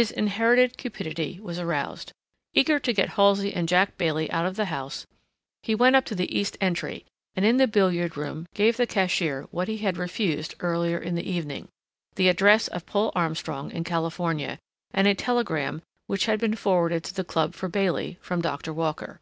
His inherited cupidity was aroused. Eager to get Halsey and Jack Bailey out of the house, he went up to the east entry, and in the billiard room gave the cashier what he had refused earlier in the evening—the address of Paul Armstrong in California and a telegram which had been forwarded to the club for Bailey, from Doctor Walker.